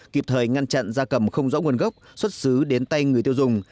kịp thời ngăn chặn da cầm không rõ nguồn gốc xuất xứ đến tay người tiêu dùng